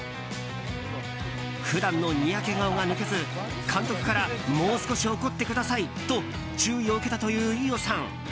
普段のにやけ顔が抜けず監督からもう少し怒ってくださいと注意を受けたという飯尾さん。